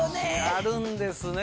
あるんですね